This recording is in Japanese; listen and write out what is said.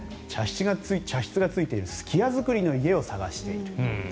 茶室がついている数寄屋造りの家を探している。